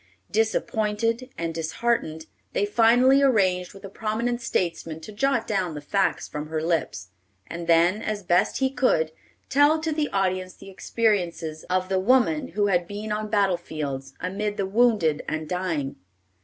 Disappointed and disheartened, they finally arranged with a prominent statesman to jot down the facts from her lips; and then, as best he could, tell to the audience the experiences of the woman who had been on battle fields, amid the wounded and dying.